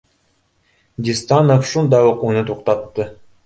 Дистанов шунда уҡ уны туҡтатты: